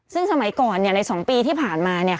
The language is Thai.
ซึ่งสมัยก่อนใน๒ปีที่ผ่านมา